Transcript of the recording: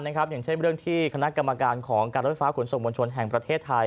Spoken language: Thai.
อย่างเช่นเรื่องที่คณะกรรมการของการรถไฟฟ้าขนส่งมวลชนแห่งประเทศไทย